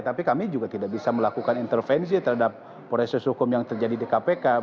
tapi kami juga tidak bisa melakukan intervensi terhadap proses hukum yang terjadi di kpk